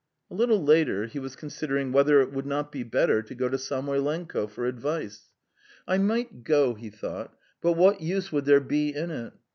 A little later he was considering whether it would not be better to go to Samoylenko for advice. "I might go," he thought, "but what use would there be in it?